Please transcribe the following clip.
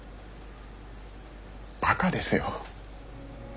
バカですよ。